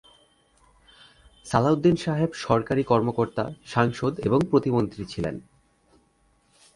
সালাহ উদ্দিন সাহেব সরকারি কর্মকর্তা, সাংসদ এবং প্রতিমন্ত্রী ছিলেন।